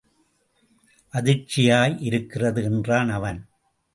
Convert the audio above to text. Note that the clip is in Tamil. அதிர்ச்சியாய் இருக்கிறது என்றான் அவன்.